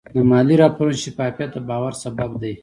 د مالي راپورونو شفافیت د باور سبب دی.